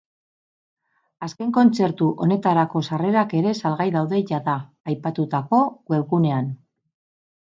Azken kontzertu honetarako sarrerak ere salgai daude jada, aipatutako webgunean.